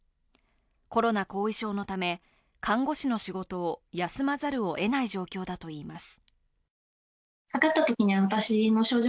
コロナ後遺症のため、看護師の仕事を休まざるをえない状況だといいます。